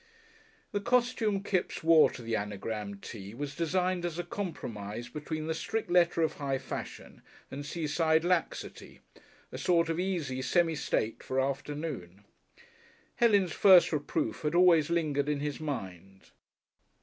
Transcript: The costume Kipps wore to the Anagram Tea was designed as a compromise between the strict letter of high fashion and seaside laxity, a sort of easy, semi state for afternoon. Helen's first reproof had always lingered in his mind.